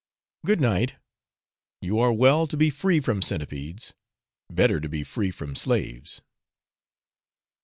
Good night; you are well to be free from centipedes better to be free from slaves.